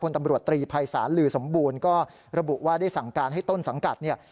ตำรวจตรีภัยศาลลือสมบูรณ์ก็ระบุว่าได้สั่งการให้ต้นสังกัดเนี่ย